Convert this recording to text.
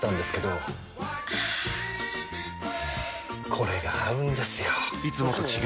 これが合うんですよ！